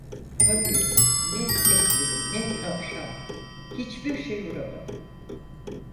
Tabii ne keklik, ne tavşan, hiçbir şey vuramadım.